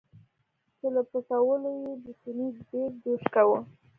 چې له پټولو یې د سینې دیګ جوش کاوه.